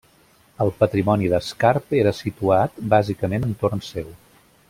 El patrimoni d'Escarp era situat bàsicament entorn seu.